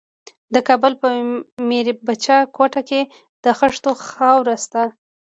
د کابل په میربچه کوټ کې د خښتو خاوره شته.